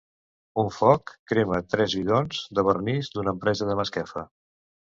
Un foc crema tres bidons de vernís d'una empresa de Masquefa.